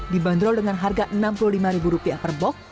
dibanderol dengan harga rp enam puluh lima per bok